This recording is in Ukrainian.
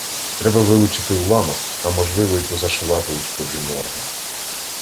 Треба вилучити уламок, а можливо, й позашивати ушкоджені органи.